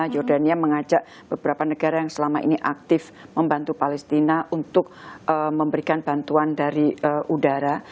jordania mengajak beberapa negara yang selama ini aktif membantu palestina untuk memberikan bantuan dari udara